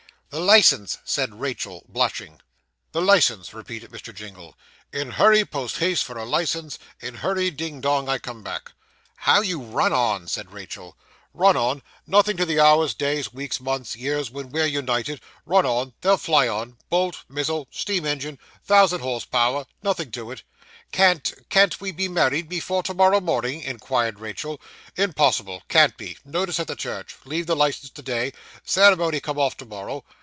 'The licence!' said Rachael, blushing. 'The licence,' repeated Mr. Jingle 'In hurry, post haste for a licence, In hurry, ding dong I come back.' 'How you run on,' said Rachael. 'Run on nothing to the hours, days, weeks, months, years, when we're united run on they'll fly on bolt mizzle steam engine thousand horse power nothing to it.' 'Can't can't we be married before to morrow morning?' inquired Rachael. 'Impossible can't be notice at the church leave the licence to day ceremony come off to morrow.